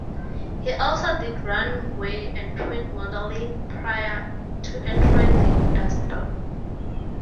He also did runway and print modeling prior to entering the industry.